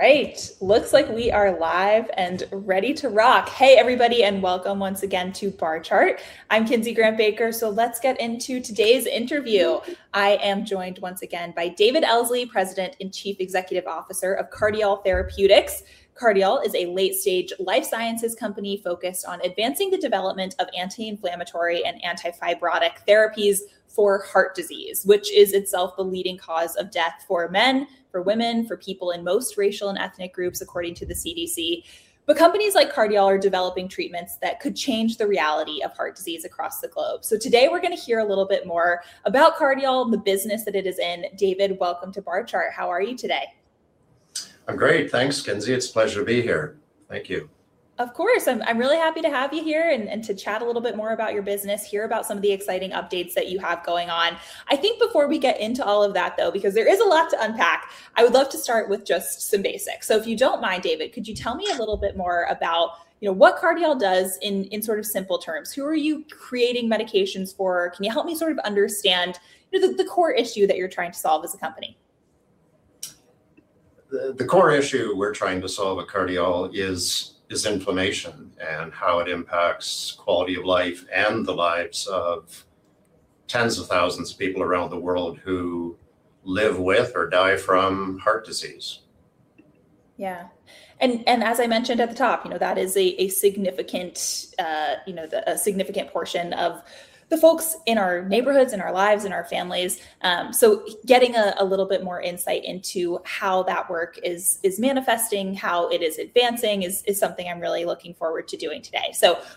All right. Looks like we are live and ready to rock. Hey, everybody, and welcome once again to Barchart. I'm Kinsey Grant Baker. Let's get into today's interview. I am joined once again by David Elsley, President and Chief Executive Officer of Cardiol Therapeutics. Cardiol is a late-stage life sciences company focused on advancing the development of anti-inflammatory and anti-fibrotic therapies for heart disease, which is itself the leading cause of death for men, for women, for people in most racial and ethnic groups, according to the CDC. Companies like Cardiol are developing treatments that could change the reality of heart disease across the globe. Today, we're going to hear a little bit more about Cardiol, the business that it is in. David, welcome to Barchart. How are you today? I'm great. Thanks, Kinsey. It's a pleasure to be here. Thank you. Of course. I'm really happy to have you here and to chat a little bit more about your business, hear about some of the exciting updates that you have going on. I think before we get into all of that, though, because there is a lot to unpack, I would love to start with just some basics. If you don't mind, David, could you tell me a little bit more about what Cardiol does in simple terms? Who are you creating medications for? Can you help me sort of understand the core issue that you're trying to solve as a company? The core issue we're trying to solve at Cardiol is inflammation and how it impacts quality of life and the lives of tens of thousands of people around the world who live with or die from heart disease. Yeah. As I mentioned at the top, that is a significant portion of the folks in our neighborhoods, in our lives, in our families. Getting a little bit more insight into how that work is manifesting, how it is advancing is something I'm really looking forward to doing today.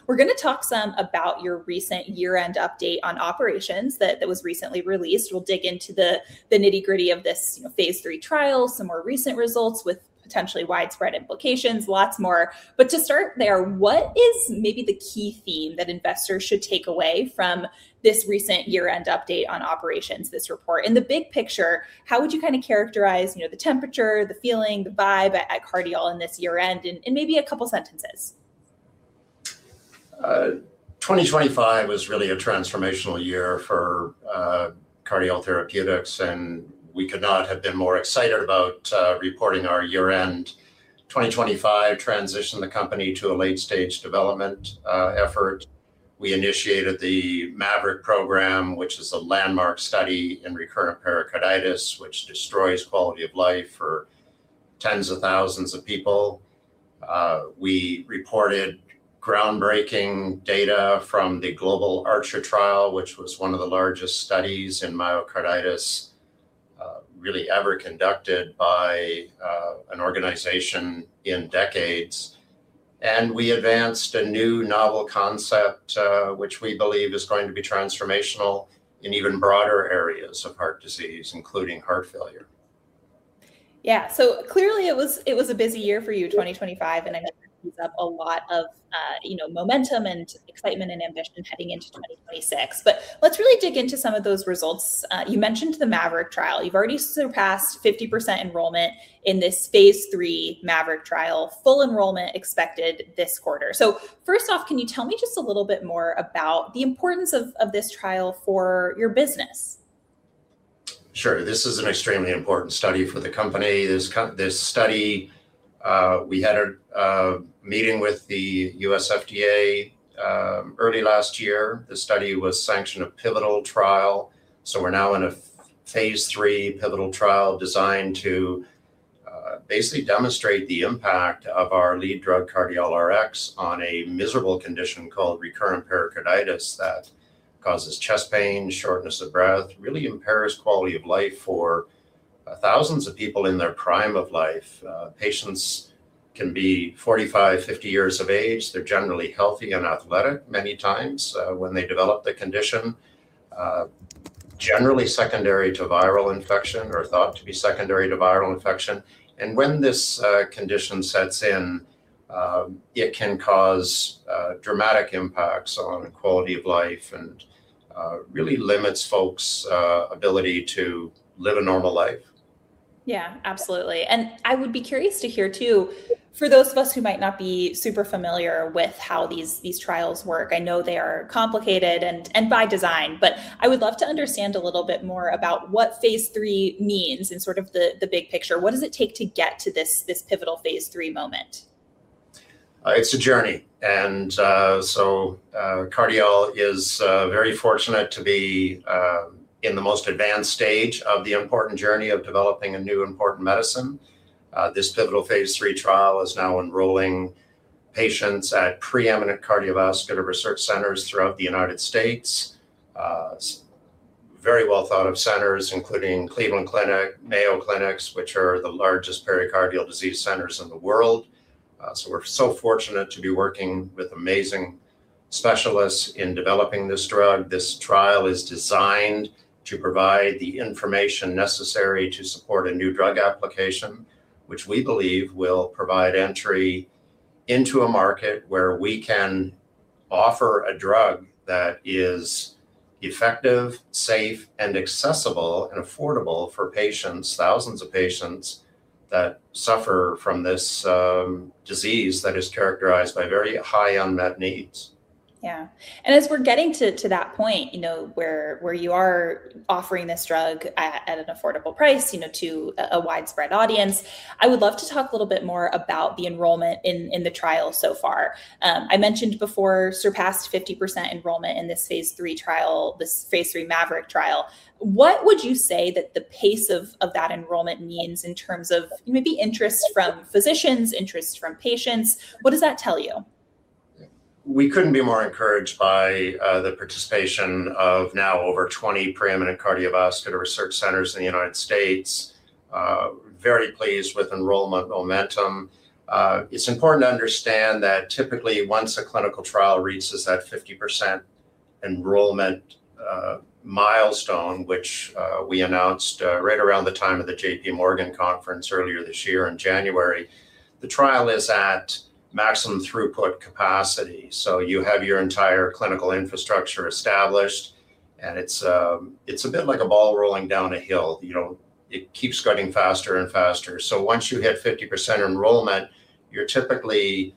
We're going to talk some about your recent year-end update on operations that was recently released. We'll dig into the nitty-gritty of this phase III trial, some more recent results with potentially widespread implications, lots more. To start there, what is maybe the key theme that investors should take away from this recent year-end update on operations, this report? In the big picture, how would you characterize the temperature, the feeling, the vibe at Cardiol in this year-end in maybe a couple sentences? 2023 was really a transformational year for Cardiol Therapeutics, and we could not have been more excited about reporting our year-end 2023 transition the company to a late-stage development effort. We initiated the MAVERIC program, which is a landmark study in recurrent pericarditis, which destroys quality of life for tens of thousands of people. We reported groundbreaking data from the global ARCHER trial, which was one of the largest studies in myocarditis really ever conducted by an organization in decades. We advanced a new novel concept, which we believe is going to be transformational in even broader areas of heart disease, including heart failure. Yeah. Clearly it was a busy year for you, 2023, and I know that tees up a lot of momentum and excitement and ambition heading into 2024. Let's really dig into some of those results. You mentioned the MAVERIC trial. You've already surpassed 50% enrollment in this phase III MAVERIC trial, full enrollment expected this quarter. First off, can you tell me just a little bit more about the importance of this trial for your business? Sure. This is an extremely important study for the company. This study, we had a meeting with the U.S. FDA early last year. The study was sanctioned a pivotal trial, so we're now in a phase III pivotal trial designed to basically demonstrate the impact of our lead drug, CardiolRx, on a miserable condition called recurrent pericarditis that causes chest pain, shortness of breath, really impairs quality of life for thousands of people in their prime of life. Patients can be 45, 50 years of age. They're generally healthy and athletic many times when they develop the condition, generally secondary to viral infection or thought to be secondary to viral infection. When this condition sets in, it can cause dramatic impacts on quality of life and really limits folks' ability to live a normal life. Yeah, absolutely. I would be curious to hear too, for those of us who might not be super familiar with how these trials work, I know they are complicated and by design, but I would love to understand a little bit more about what phase III means in sort of the big picture. What does it take to get to this pivotal phase III moment? It's a journey. Cardiol is very fortunate to be in the most advanced stage of the important journey of developing a new important medicine. This pivotal phase III trial is now enrolling patients at preeminent cardiovascular research centers throughout the United States, very well thought of centers, including Cleveland Clinic, Mayo Clinic, which are the largest pericardial disease centers in the world. We're so fortunate to be working with amazing specialists in developing this drug. This trial is designed to provide the information necessary to support a new drug application, which we believe will provide entry into a market where we can offer a drug that is effective, safe, and accessible, and affordable for patients, thousands of patients, that suffer from this disease that is characterized by very high unmet needs. Yeah. As we're getting to that point where you are offering this drug at an affordable price to a widespread audience, I would love to talk a little bit more about the enrollment in the trial so far. I mentioned before, we surpassed 50% enrollment in this phase III trial, this phase III MAVERIC trial. What would you say that the pace of that enrollment means in terms of maybe interest from physicians, interest from patients? What does that tell you? We couldn't be more encouraged by the participation of now over 20 preeminent cardiovascular research centers in the United States. We are very pleased with enrollment momentum. It's important to understand that typically once a clinical trial reaches that 50% enrollment milestone, which we announced right around the time of the J.P. Morgan conference earlier this year in January, the trial is at maximum throughput capacity. You have your entire clinical infrastructure established, and it's a bit like a ball rolling down a hill. It keeps getting faster and faster. Once you hit 50% enrollment, you're typically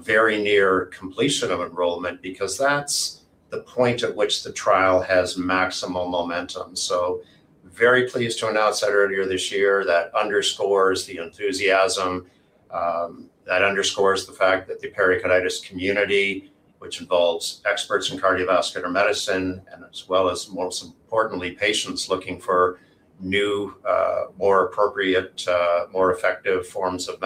very near completion of enrollment because that's the point at which the trial has maximal momentum. We were very pleased to announce that earlier this year. That underscores the enthusiasm. That underscores the fact that the pericarditis community, which involves experts in cardiovascular medicine, and as well as most importantly, patients looking for new, more appropriate, more effective forms of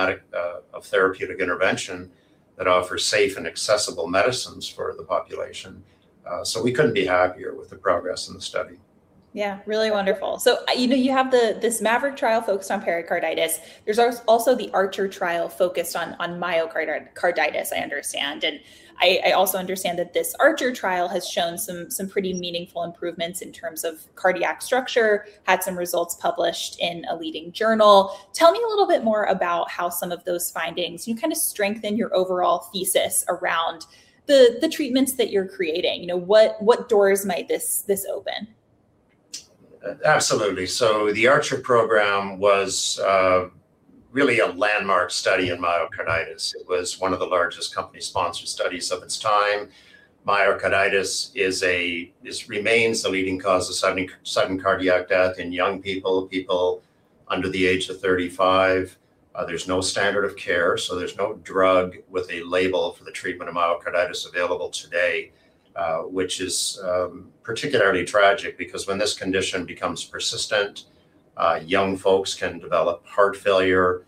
therapeutic intervention that offers safe and accessible medicines for the population. We couldn't be happier with the progress in the study. Yeah, really wonderful. You have this MAVERIC trial focused on pericarditis. There's also the ARCHER trial focused on myocarditis, I understand, and I also understand that this ARCHER trial has shown some pretty meaningful improvements in terms of cardiac structure, had some results published in a leading journal. Tell me a little bit more about how some of those findings kind of strengthen your overall thesis around the treatments that you're creating. What doors might this open? Absolutely. The ARCHER program was really a landmark study in myocarditis. It was one of the largest company-sponsored studies of its time. Myocarditis remains the leading cause of sudden cardiac death in young people under the age of 35. There's no standard of care, so there's no drug with a label for the treatment of myocarditis available today, which is particularly tragic because when this condition becomes persistent, young folks can develop heart failure.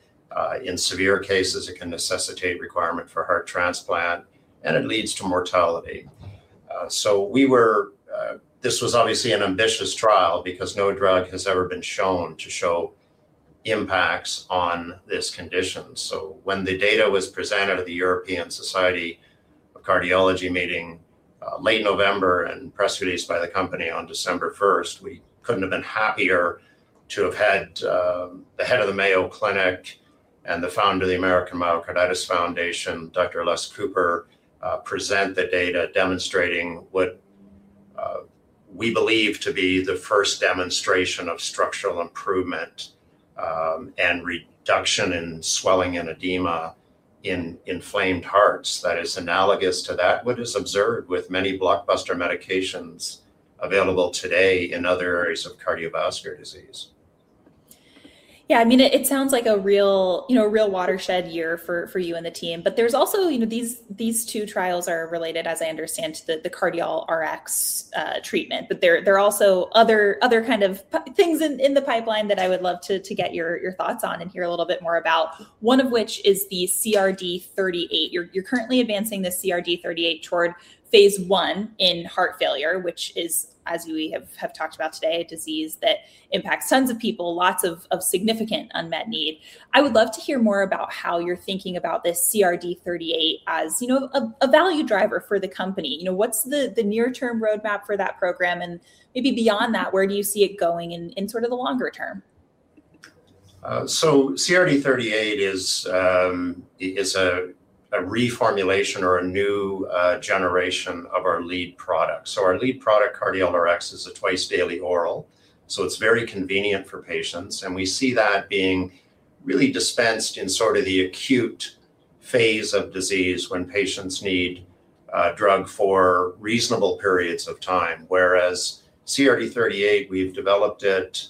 In severe cases, it can necessitate requirement for heart transplant, and it leads to mortality. This was obviously an ambitious trial because no drug has ever been shown to show impacts on this condition. When the data was presented at the European Society of Cardiology meeting, late November, and press release by the company on December 1, we couldn't have been happier to have had the Head of the Mayo Clinic and the Founder of the Myocarditis Foundation, Dr. Les Cooper, present the data demonstrating what we believe to be the first demonstration of structural improvement and reduction in swelling and edema in inflamed hearts that is analogous to that what is observed with many blockbuster medications available today in other areas of cardiovascular disease. Yeah, it sounds like a real watershed year for you and the team. There's also, these two trials are related, as I understand, to the CardiolRx treatment. There are also other kind of things in the pipeline that I would love to get your thoughts on and hear a little bit more about, one of which is the CRD-38. You're currently advancing the CRD-38 toward phase I in heart failure, which is, as we have talked about today, a disease that impacts tons of people, lots of significant unmet need. I would love to hear more about how you're thinking about this CRD-38 as a value driver for the company. What's the near-term roadmap for that program, and maybe beyond that, where do you see it going in sort of the longer term? CRD-38 is a reformulation or a new generation of our lead product. Our lead product, CardiolRx, is a twice-daily oral, so it's very convenient for patients, and we see that being really dispensed in sort of the acute phase of disease when patients need a drug for reasonable periods of time. Whereas CRD-38, we've developed it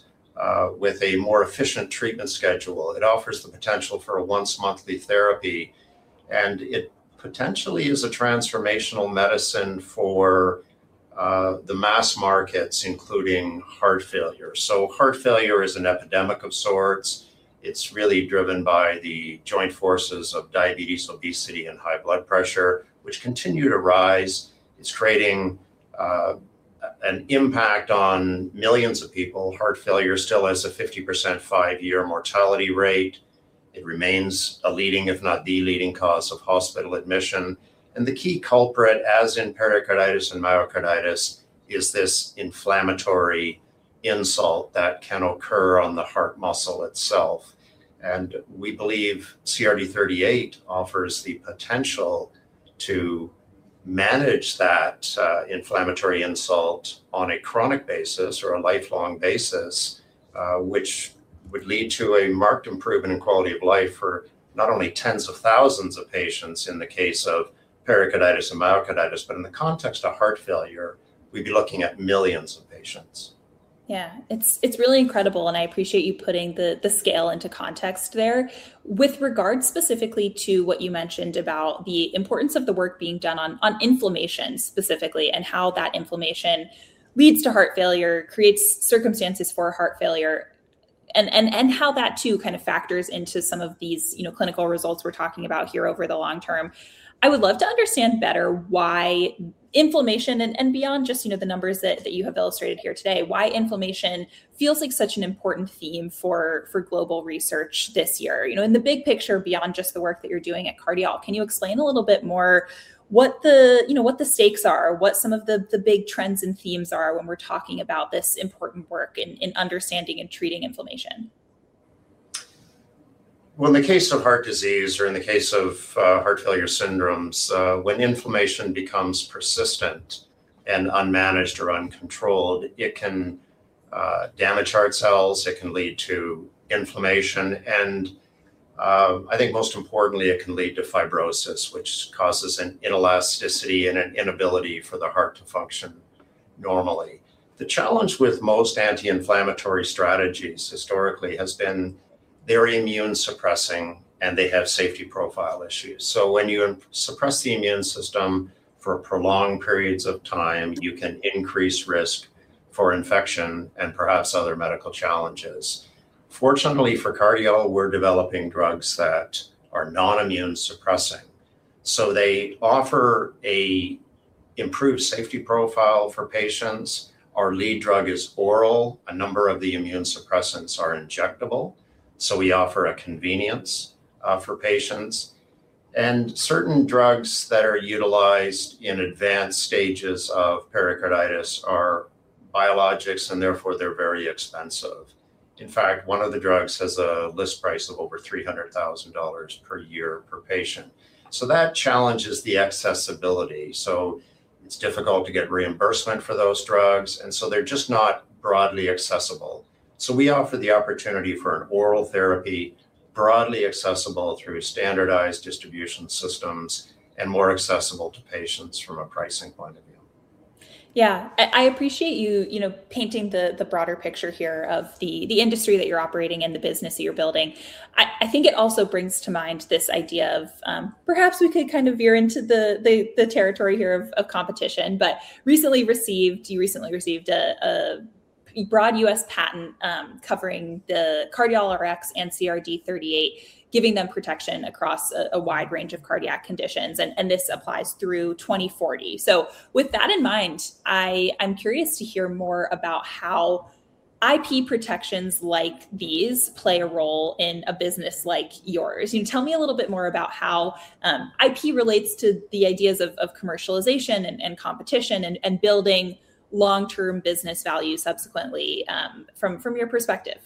with a more efficient treatment schedule. It offers the potential for a once-monthly therapy, and it potentially is a transformational medicine for the mass markets, including heart failure. Heart failure is an epidemic of sorts. It's really driven by the joint forces of diabetes, obesity, and high blood pressure, which continue to rise. It's creating an impact on millions of people. Heart failure still has a 50% five-year mortality rate. It remains a leading, if not the leading, cause of hospital admission. The key culprit, as in pericarditis and myocarditis, is this inflammatory insult that can occur on the heart muscle itself. We believe CRD-38 offers the potential to manage that inflammatory insult on a chronic basis or a lifelong basis, which would lead to a marked improvement in quality of life for not only tens of thousands of patients in the case of pericarditis and myocarditis, but in the context of heart failure, we'd be looking at millions of patients. Yeah. It's really incredible, and I appreciate you putting the scale into context there. With regard specifically to what you mentioned about the importance of the work being done on inflammation specifically, and how that inflammation leads to heart failure, creates circumstances for heart failure, and how that too kind of factors into some of these clinical results we're talking about here over the long term. I would love to understand better why inflammation, and beyond just the numbers that you have illustrated here today, why inflammation feels like such an important theme for global research this year. In the big picture, beyond just the work that you're doing at Cardiol, can you explain a little bit more what the stakes are, what some of the big trends and themes are when we're talking about this important work in understanding and treating inflammation? Well, in the case of heart disease, or in the case of heart failure syndromes, when inflammation becomes persistent and unmanaged or uncontrolled, it can damage heart cells. It can lead to inflammation, and I think most importantly, it can lead to fibrosis, which causes an inelasticity and an inability for the heart to function normally. The challenge with most anti-inflammatory strategies historically has been they're immune-suppressing, and they have safety profile issues. When you suppress the immune system for prolonged periods of time, you can increase risk for infection and perhaps other medical challenges. Fortunately for Cardiol, we're developing drugs that are not immune-suppressing. They offer an improved safety profile for patients. Our lead drug is oral. A number of the immune suppressants are injectable. We offer a convenience for patients, and certain drugs that are utilized in advanced stages of pericarditis are biologics, and therefore they're very expensive. In fact, one of the drugs has a list price of over 300,000 dollars per year per patient. That challenges the accessibility. It's difficult to get reimbursement for those drugs, and so they're just not broadly accessible. We offer the opportunity for an oral therapy, broadly accessible through standardized distribution systems, and more accessible to patients from a pricing point of view. Yeah. I appreciate you painting the broader picture here of the industry that you're operating and the business that you're building. I think it also brings to mind this idea of perhaps we could kind of veer into the territory here of competition. You recently received a broad U.S. patent covering CardiolRx and CRD-38, giving them protection across a wide range of cardiac conditions, and this applies through 2040. With that in mind, I'm curious to hear more about how IP protections like these play a role in a business like yours. Can you tell me a little bit more about how IP relates to the ideas of commercialization and competition and building long-term business value subsequently from your perspective?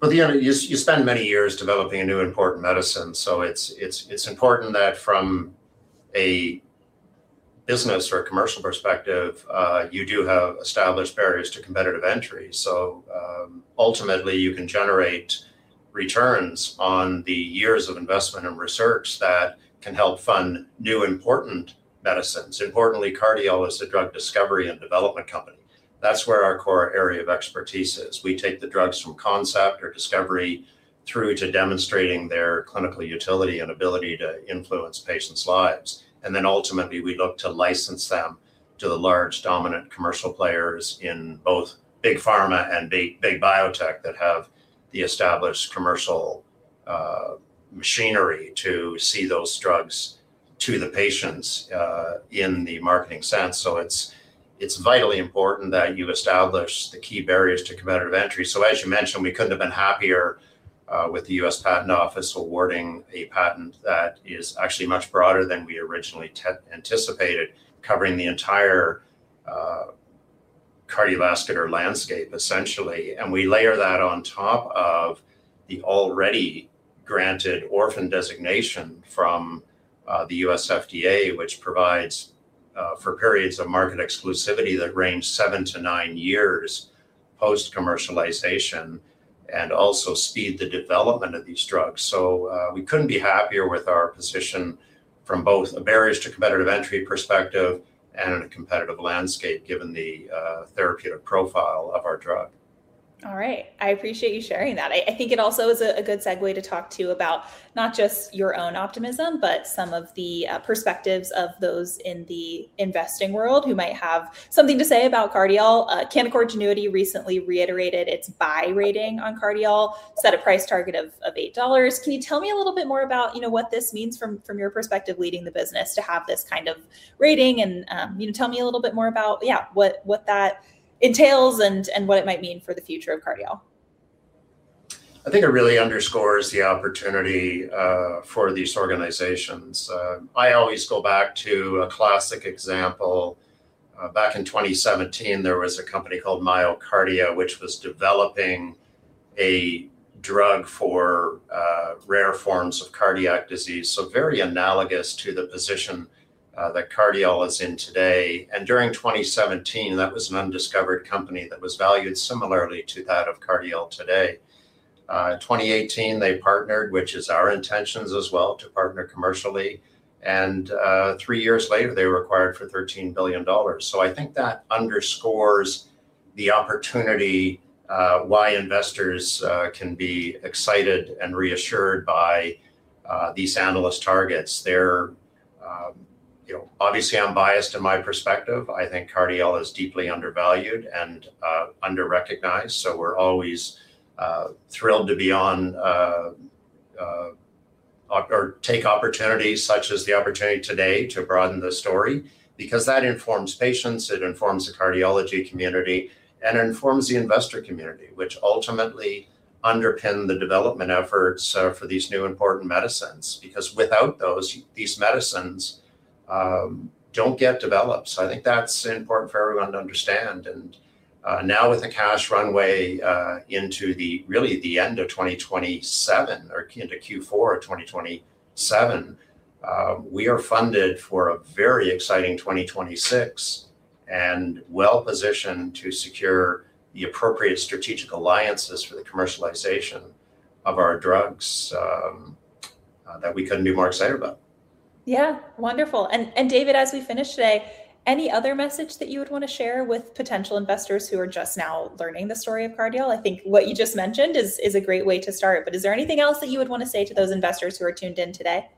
Well, you spend many years developing a new important medicine, so it's important that from a business or a commercial perspective, you do have established barriers to competitive entry. Ultimately you can generate returns on the years of investment and research that can help fund new important medicines. Importantly, Cardiol is a drug discovery and development company. That's where our core area of expertise is. We take the drugs from concept or discovery through to demonstrating their clinical utility and ability to influence patients' lives. Ultimately we look to license them to the large dominant commercial players in both big pharma and big biotech that have the established commercial machinery to see those drugs to the patients in the marketing sense. It's vitally important that you establish the key barriers to competitive entry. As you mentioned, we couldn't have been happier with the U.S. Patent Office awarding a patent that is actually much broader than we originally anticipated, covering the entire cardiovascular landscape, essentially. We layer that on top of the already granted orphan designation from the U.S. FDA, which provides for periods of market exclusivity that range seven to nine years post-commercialization, and also speed the development of these drugs. We couldn't be happier with our position from both the barriers to competitive entry perspective and in a competitive landscape given the therapeutic profile of our drug. All right. I appreciate you sharing that. I think it also is a good segue to talk to about not just your own optimism, but some of the perspectives of those in the investing world who might have something to say about Cardiol. Canaccord Genuity recently reiterated its buy rating on Cardiol, set a price target of $8. Can you tell me a little bit more about what this means from your perspective leading the business to have this kind of rating? Can you tell me a little bit more about, yeah, what that entails and what it might mean for the future of Cardiol? I think it really underscores the opportunity for these organizations. I always go back to a classic example. Back in 2017, there was a company called MyoKardia, which was developing a drug for rare forms of cardiac disease, so very analogous to the position that Cardiol is in today. During 2017, that was an undiscovered company that was valued similarly to that of Cardiol today. In 2018, they partnered, which is our intentions as well, to partner commercially, and three years later, they were acquired for $13 billion. I think that underscores the opportunity why investors can be excited and reassured by these analyst targets. Obviously, I'm biased in my perspective. I think Cardiol is deeply undervalued and under-recognized, so we're always thrilled to take opportunities such as the opportunity today to broaden the story, because that informs patients, it informs the cardiology community, and it informs the investor community, which ultimately underpin the development efforts for these new important medicines. Because without those, these medicines don't get developed. I think that's important for everyone to understand. Now with the cash runway into really the end of 2027 or into uncertain, we are funded for a very exciting 2024 and well-positioned to secure the appropriate strategic alliances for the commercialization of our drugs that we couldn't be more excited about. Yeah. Wonderful. David, as we finish today, any other message that you would want to share with potential investors who are just now learning the story of Cardiol? I think what you just mentioned is a great way to start, but is there anything else that you would want to say to those investors who are tuned in today?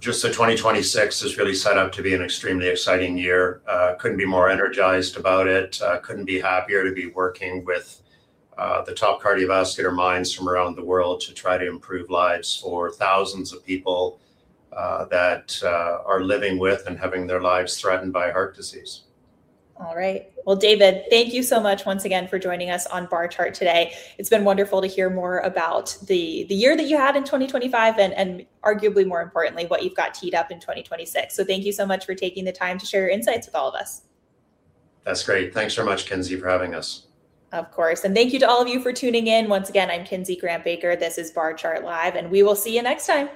Just that 2024 is really set up to be an extremely exciting year. I couldn't be more energized about it. I couldn't be happier to be working with the top cardiovascular minds from around the world to try to improve lives for thousands of people that are living with and having their lives threatened by heart disease. All right. Well, David, thank you so much once again for joining us on Barchart today. It's been wonderful to hear more about the year that you had in 2023, and arguably more importantly, what you've got teed up in 2024. Thank you so much for taking the time to share your insights with all of us That's great. Thanks very much, Kinsey, for having us. Of course, and thank you to all of you for tuning in. Once again, I'm Kinsey Grant Baker. This is Barchart Live, and we will see you next time.